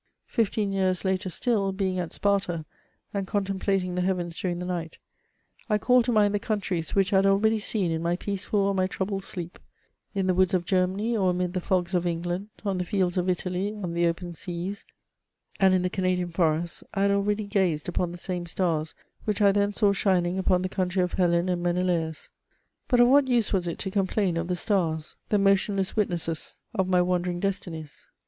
Fifteen years later still, being at Sparta, and contemplating the heavens during the night, I called to mind the countries which I had already seen in my peaceful or my troubled sleep : in the woods of Germany, or amid the fogs of England, on the fields of Italy, on the open seas, and in the Canadian forests, I had already gazed upon the same stars which I then saw shining upon the country of Helen and Mene laus. But of what use was it to complain of the stars, the motion less witnesses of my wandering destinies